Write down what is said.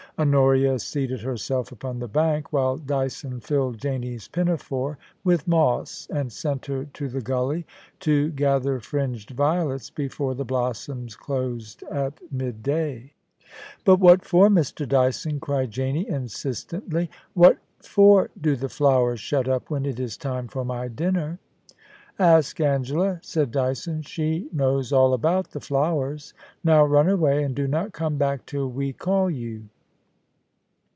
Honoria seated herself upon the bank, while Dyson filled Janie's pinafore with moss, and sent her to the gully to gather fringed violets before the blossoms closed at mid day. THE ENCHANTRESS OF KOORALBYN. 8r * But what for, Mr. Dyson f cried Janie, insistently ;* what for do the flowers shut up when it is time for my dinner ?* *Ask Angela,' said Dyson; *she knows all about the flowers. Now run away, and do not come back till we call you.'